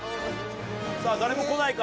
さぁ誰もこないか？